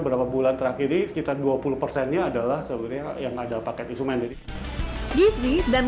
berapa bulan terakhir sekitar dua puluh nya adalah sebenarnya yang ada paket isoman gizi dan